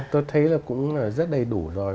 tôi thấy là cũng rất đầy đủ rồi